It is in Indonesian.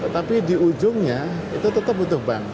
tapi di ujungnya itu tetap butuh bank